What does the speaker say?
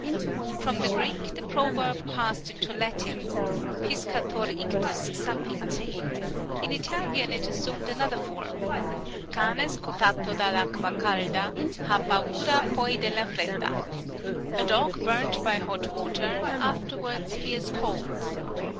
From Greek the proverb passed into Latin, " Piscator ictus sapit." In Italian it assumed another form, " Can scottatb da I'acqua calda ha paura poi della fredda "(" A dog burnt by hot water, afterwards fears cold